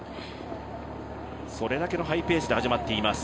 それだけのハイペースで始まっています。